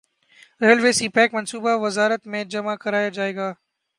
railway CPEC منصوبہ وزارت میں جمع کرایا جائے گا